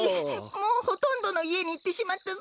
もうほとんどのいえにいってしまったぞ。